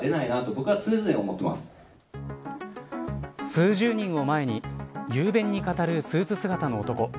数十人を前に雄弁に語るスーツ姿の男。